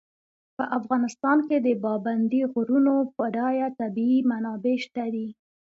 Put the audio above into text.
په افغانستان کې د پابندي غرونو بډایه طبیعي منابع شته دي.